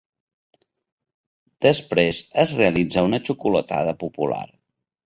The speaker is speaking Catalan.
Després es realitza una xocolatada popular.